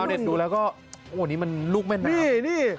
เป็นอย่างดีน่ะครับสรุปนี้มันลุกแม่นแล้วนะครับนี่